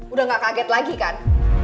udah gak kaget lagi kan